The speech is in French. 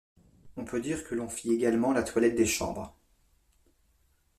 On peut dire que l’on fit également la toilette des chambres.